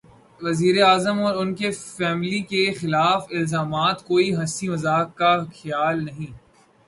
وزیر اعظم اور ان کی فیملی کے خلاف الزامات کوئی ہنسی مذاق کا کھیل نہیں۔